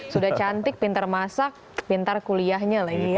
sudah cantik pintar masak pintar kuliahnya lah ini ya